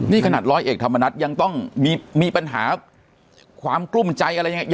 นี่ขนาดร้อยเอกทำมานัดยังต้องมีมีปัญหาความกลุ้มใจอะไรอย่างเงี้ย